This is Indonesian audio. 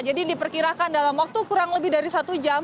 jadi diperkirakan dalam waktu kurang lebih dari satu jam